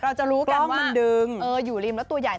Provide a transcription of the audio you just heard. เราจะรู้กันว่ามันดึงอยู่ริมแล้วตัวใหญ่